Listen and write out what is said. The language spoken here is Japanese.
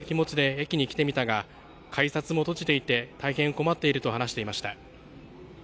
祈るような気持ちで駅に来てみたが、改札も閉じていて、大変困っていると話していました。